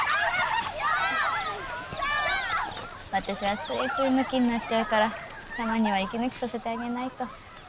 私はついついムキになっちゃうからたまには息抜きさせてあげないと。